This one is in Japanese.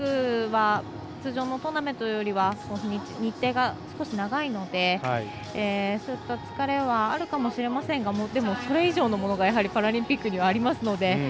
ただ、パラリンピックは通常のトーナメントよりは日程が少し長いので、そういった疲れはあるかもしれませんがでも、それ以上のものがパラリンピックにはありますので。